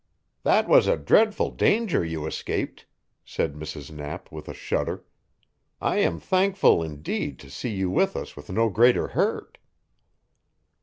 "That was a dreadful danger you escaped," said Mrs. Knapp with a shudder. "I am thankful, indeed, to see you with us with no greater hurt."